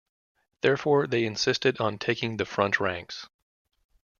Therefore, they insisted on taking the front ranks.